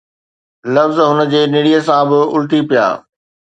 لفظ هن جي نڙيءَ سان به الٽي پيا